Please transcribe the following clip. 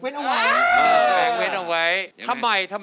เนิดเนิดไหมฮะ